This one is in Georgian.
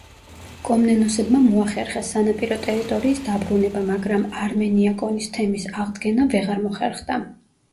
კომნენოსებმა მოახერხეს სანაპირო ტერიტორიის დაბრუნება, მაგრამ არმენიაკონის თემის აღდგენა ვეღარ მოხერხდა.